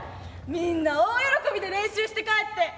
みんな大喜びで練習して帰って。